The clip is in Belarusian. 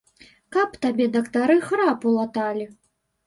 Каб табе дактары храпу латалі!